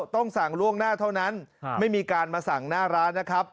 ต้องสั่งล่วงหน้าเท่านั้นไม่มีการมาสั่งหน้าร้านนะครับ